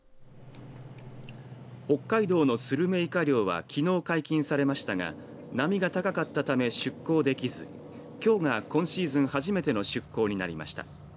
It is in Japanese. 北海道のスルメイカ漁はきのう解禁されましたが波が高かったため出港できずきょうが今シーズン初めての出港になりました。